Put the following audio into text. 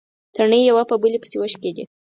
تڼۍ يوه په بلې پسې وشکېدې.